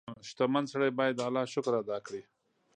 • شتمن سړی باید د الله شکر ادا کړي.